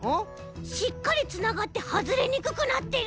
しっかりつながってはずれにくくなってる。